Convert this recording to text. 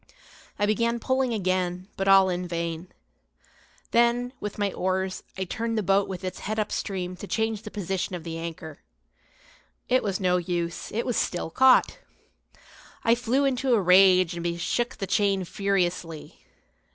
I began pulling again, but all in vain. Then, with my oars, I turned the boat with its head up stream to change the position of the anchor. It was no use, it was still caught. I flew into a rage and shook the chain furiously.